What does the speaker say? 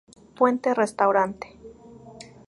Puente restaurante